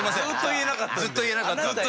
ずっと言えなかったんで。